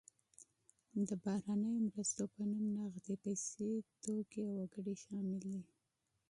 د بهرنیو مرستو په نوم نغدې پیسې، توکي او وګړي شامل دي.